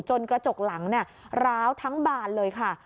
กระจกหลังร้าวทั้งบานเลยค่ะ